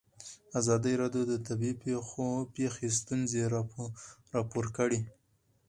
ازادي راډیو د طبیعي پېښې ستونزې راپور کړي.